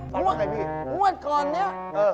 หัวข่อนแบบนี้